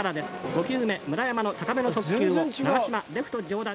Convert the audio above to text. ５球目村山の高めの速球を長嶋レフト上段に。